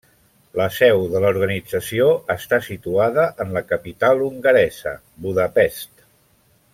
La seu de l'organització està situada en la capital hongaresa, Budapest.